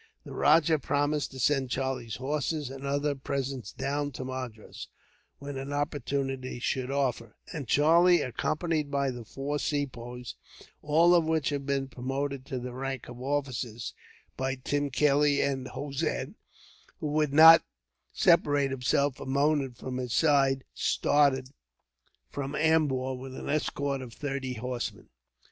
The rajah promised to send Charlie's horses and other presents down to Madras, when an opportunity should offer; and Charlie, accompanied by the four Sepoys, all of whom had been promoted to the rank of officers; by Tim Kelly and Hossein, who would not separate himself a moment from his side, started from Ambur, with an escort of thirty horsemen.